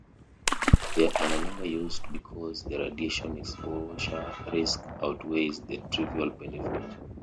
They are no longer used because the radiation exposure risk outweighs the trivial benefit.